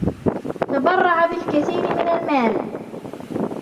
تبرّعَ بالكثير من المال.